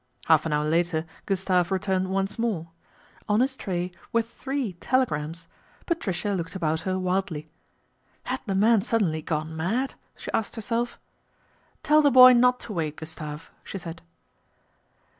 Half an hour later Gustave returned once more. On his tray were three telegrams. Patricia looked 'about her wildly. " Had the man suddenly gone mad ?" she asked herself. " Tell the boy not to wait, Gustave," she said.